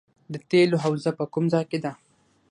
د تیلو حوزه په کوم ځای کې ده؟